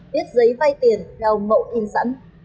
viết giấy vay tiền theo mẫu in sẵn